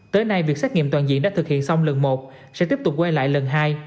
tới nay việc xét nghiệm toàn diện đã thực hiện xong lần một sẽ tiếp tục quay lại lần hai